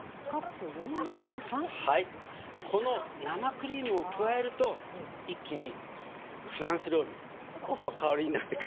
この生クリームを加えると一気にフランス料理の香りになってくるんです。